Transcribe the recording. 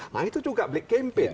nah itu juga black campaign